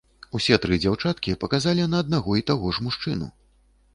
Усе тры дзяўчаткі паказалі на аднаго і таго ж мужчыну.